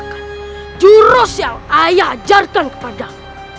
sejauh di ide yang diainehkan ayah